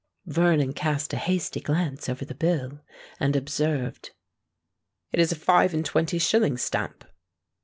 Vernon cast a hasty glance over the bill, and observed, "It is a five and twenty shilling stamp."